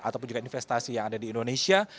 ataupun juga investasi yang ada di indonesia